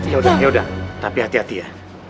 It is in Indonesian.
ya udah ya udah tapi hati hati ya